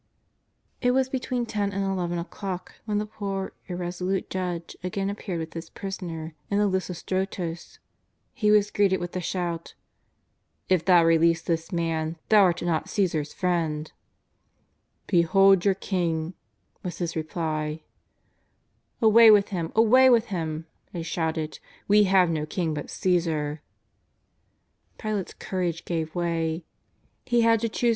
It was between ten and eleven o'clock when the poor, irresolute judge again appeared with his Prisoner in the Lithostrotos. He was greeted with the shout :'^ If thou release this Man, thou art not Caesar's friend." " Behold your King," was his reply. "Away with Him ! away with Him !" they shouted. *^ We have no king but Caesar." Pilate's courage gave way. He had to choose be* Tiic: NfiW YORK ^\'■=:. Lr.Nf)X AND T!i/.5'N FOUNDATIONS R L o o